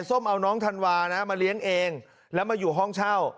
ส้มเอาน้องธันวานะมาเลี้ยงเองแล้วมาอยู่ห้องเช่า